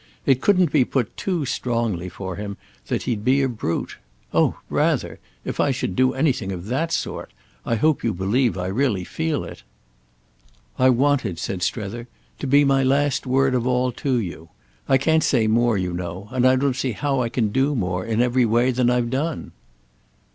It couldn't be put too strongly for him that he'd be a brute. "Oh rather!—if I should do anything of that sort. I hope you believe I really feel it." "I want it," said Strether, "to be my last word of all to you. I can't say more, you know; and I don't see how I can do more, in every way, than I've done."